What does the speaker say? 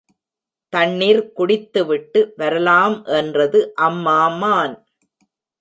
தண்ணிர் குடித்துவிட்டு வரலாம் என்றது அம்மா மான்.